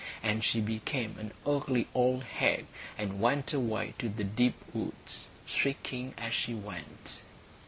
And she became an ugly old hag, and went away to the deep woods, shrieking as she went.